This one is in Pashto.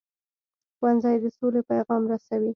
ښوونځی د سولې پیغام رسوي